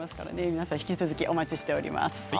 皆さん引き続きお待ちしています。